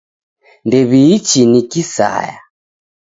Ndew'iichi ni kisaya.